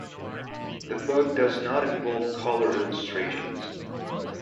The book does not involve color illustrations.